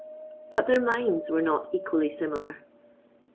But their minds were not equally similar.